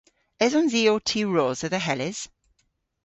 Esons i ow tiwrosa dhe Hellys?